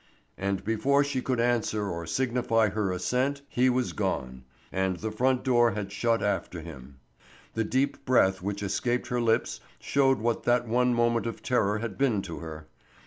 And before she could answer or signify her assent he was gone, and the front door had shut after him. The deep breath which escaped her lips showed what that one moment of terror had been to her.